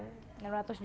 iya per cabangnya